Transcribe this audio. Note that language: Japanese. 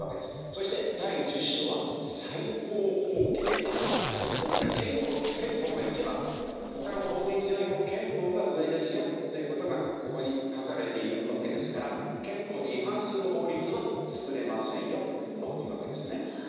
そして第１０章は最高法規であるつまり憲法が一番他の法律よりも憲法が上ですよということがここに書かれているわけですから憲法に違反する法律は作れませんよというわけですね。